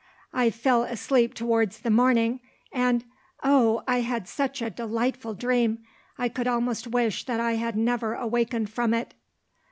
"I fell asleep towards the morning. And oh, I had such a delightful dream! I could almost wish that I had never awakened from it."